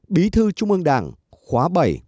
bí thư trung ương đảng khóa bảy